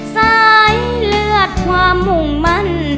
สายเลือดความมุ่งมั่น